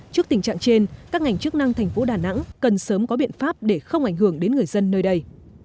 trước tình trạng trên các ngành chức năng thành phố đà nẵng cần sớm có biện pháp để không ảnh hưởng đến người dân nơi đây